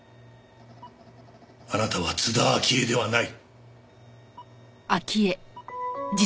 あなたは津田明江ではない。